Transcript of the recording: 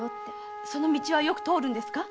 その道はよく通るんですか？